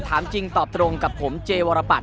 ถามจริงตอบตรงกับผมเจวรปัต